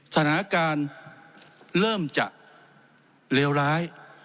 สถานการณ์เริ่มจะเลวร้าย